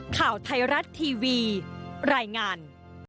ข่าวไทยรัฐทีวีรายงาน